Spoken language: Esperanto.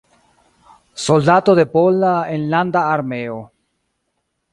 Soldato de Pola Enlanda Armeo.